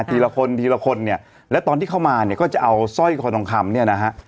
ทีละคนทีละคนเนี่ยแล้วตอนที่เข้ามาเนี่ยก็จะเอาสร้อยคอทองคำเนี่ยนะฮะ